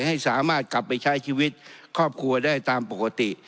ให้สามารถกลับไปใช้ชีวิตครอบครัวได้ตามปกติ